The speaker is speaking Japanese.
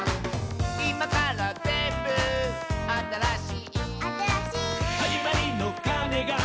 「いまからぜんぶあたらしい」「あたらしい」「はじまりのかねが」